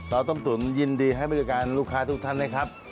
ต้มตุ๋นยินดีให้บริการลูกค้าทุกท่านนะครับ